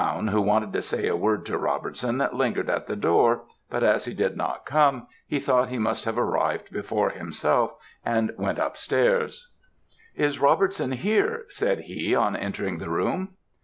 Brown, who wanted to say a word to Robertson, lingered at the door; but as he did not come, he thought he must have arrived before himself, and went up stairs. "'Is Robertson here?' said he, on entering the room.